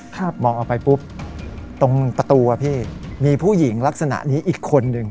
มองออกไปปุ๊บตรงประตูอ่ะพี่มีผู้หญิงลักษณะนี้อีกคนนึง